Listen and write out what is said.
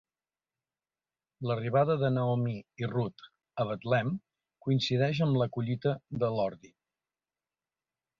L'arribada de Naomi i Ruth a Betlem coincideix amb la collita de l'ordi.